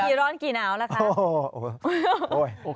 คุณกี่ร้อนกี่หนาวแล้วคะ